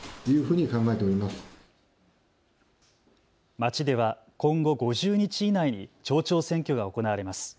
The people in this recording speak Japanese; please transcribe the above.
町では今後５０日以内に町長選挙が行われます。